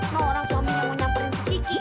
mau orang suaminya mau nyamperin ke kiki